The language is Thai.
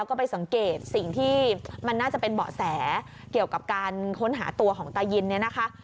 ก็ไปสังเกตสิ่งที่มันน่าจะเป็นเบาะแสเกี่ยวกับการค้นหาตัวของตายินเนี่ยนะคะ